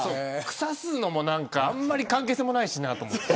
くさすのもなんか、あんまり関係性もないしなと思って。